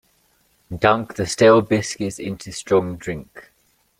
Dunk the stale biscuits into strong drink.